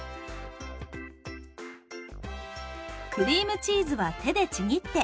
クリームチーズは手でちぎって。